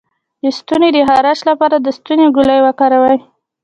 د ستوني د خارش لپاره د ستوني ګولۍ وکاروئ